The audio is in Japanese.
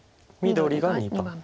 緑が２番目。